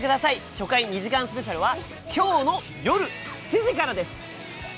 初回２時間スペシャルは今日の夜７時からです。